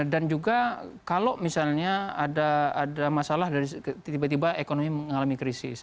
dan juga kalau misalnya ada masalah dari tiba tiba ekonomi mengalami krisis